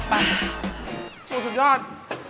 ปูนสุดยอด